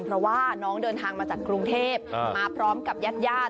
เพราะว่าน้องเดินทางมาจากกรุงเทพมาพร้อมกับญาติญาติ